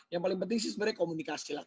yang paling penting sih sebenarnya komunikasi lah